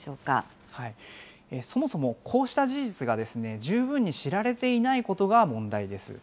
そもそもこうした事実が十分に知られていないことが問題です。